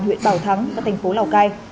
huyện bảo thắng thành phố lào cai